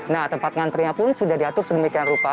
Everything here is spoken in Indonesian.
nah tempat ngantrinya pun sudah diatur sedemikian rupa